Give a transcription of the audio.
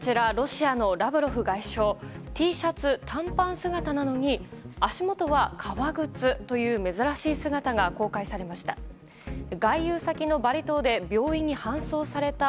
Ｔシャツ、短パン姿なのに足元は革靴という珍しい姿が公開されました。